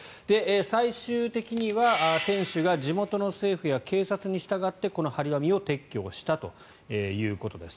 最終的には店主が地元の政府や警察に従ってこの貼り紙を撤去したということです。